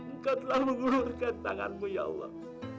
buka telah menggelurkan tanganmu ya allah